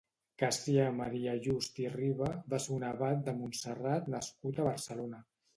Cassià Maria Just i Riba va ser un abat de Montserrat nascut a Barcelona.